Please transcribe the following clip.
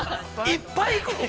◆いっぱい行くの？